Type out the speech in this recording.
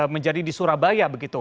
menjadi di surabaya begitu